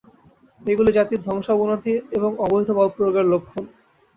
এইগুলি জাতির ধ্বংস, অবনতি এবং অবৈধ বলপ্রয়োগের লক্ষণ।